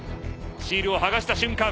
シールを剥がした瞬間